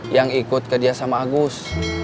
yang ikut kerja sama agus